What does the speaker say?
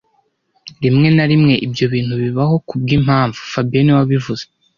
Rimwe na rimwe ibyo bintu bibaho kubwimpamvu fabien niwe wabivuze